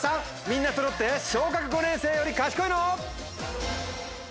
みんなそろって小学５年生より賢いの？